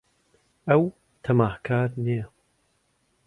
ئەو تەماحکار نییە.